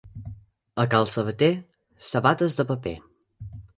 A cal sabater, sabates de paper.